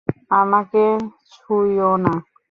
আমাকে ছুইও না।